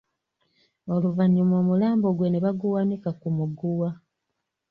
Oluvannyuma omulambo gwe ne baguwanika ku muguwa.